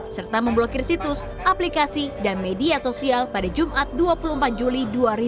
serta memblokir situs aplikasi dan media sosial pada jumat dua puluh empat juli dua ribu dua puluh